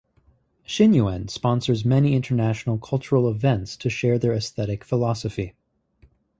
Shinnyo-en sponsors many international cultural events to share their aesthetic philosophy.